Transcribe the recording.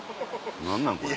何なんこれ。